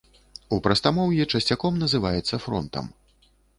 У прастамоўі часцяком называецца фронтам.